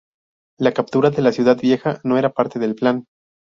La captura de la Ciudad Vieja no era parte del plan.